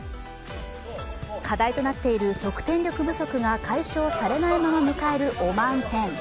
課題となっている得点力不足が解消されないまま迎えるオマーン戦。